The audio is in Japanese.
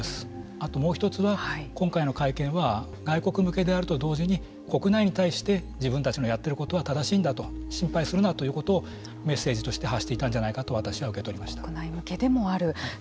あと、もう一つは今回の会見は外国向けであると同時に国内に対して自分たちのやっていることは正しいんだと心配するなということをメッセージとして発していたんじゃないかと国内向けでもあると。